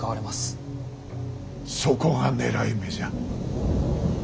そこが狙い目じゃ。